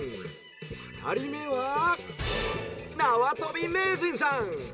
ふたりめはなわとび名人さん。